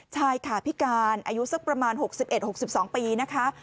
ใช่ค่ะพิการอายุสักประมาณ๖๑๖๒ปีนะคะ